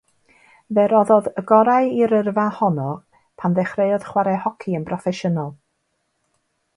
Fe roddodd y gorau i'r yrfa honno pan ddechreuodd chwarae hoci yn broffesiynol.